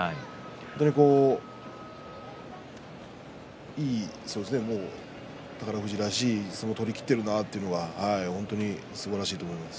本当に宝富士らしいいい相撲を取りきっているなというのはすばらしいと思います。